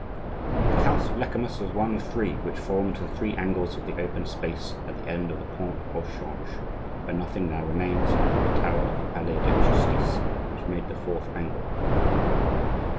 The house of Lecamus was one of three which formed the three angles of the open space at the end of the pont au Change, where nothing now remains but the tower of the Palais de Justice, which made the fourth angle.